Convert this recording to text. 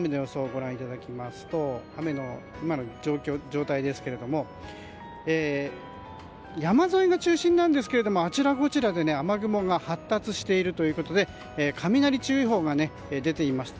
ご覧いただきますと雨の今の状態ですが山沿いが中心なんですけれどもあちらこちらで雨雲が発達しているということで雷注意報が出ています。